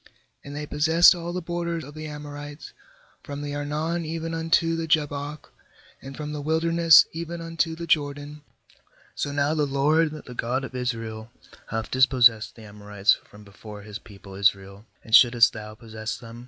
^And they possessed all the border of the Amorites, from the Arnon even unto the Jabbok, and from the wilderness even unto the Jordan. ^So now the LOED, the God of Israel, hath dis the Amorites from before people Israel, and shouldest thou 309 11 23 JUDGES possess them?